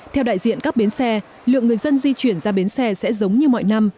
theo đại diện các bến xe lượng người dân di chuyển ra bến xe sẽ giống như mọi năm